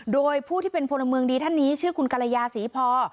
โดยผู้ที่เป็นพลเมืองดีท่านนี้ชื่อคุณกรยาศรีพอ